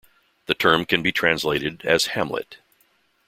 The term can be translated as "hamlet".